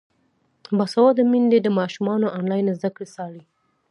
باسواده میندې د ماشومانو انلاین زده کړې څاري.